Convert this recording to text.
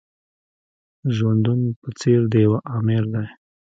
ژوندون په څېر د يوه آمر دی.